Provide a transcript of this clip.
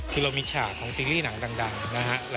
คือเรามีฉากของซีรีส์หนังดังนะฮะ